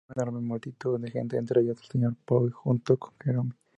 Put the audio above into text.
Encuentran una enorme multitud de gente entre ellos el Sr. Poe junto con Jerome.